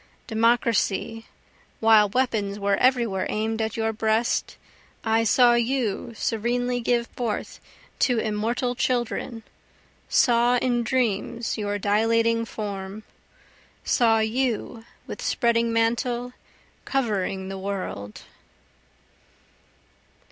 (Democracy, while weapons were everywhere aim'd at your breast, I saw you serenely give birth to immortal children, saw in dreams your dilating form, Saw you with spreading mantle covering the world.)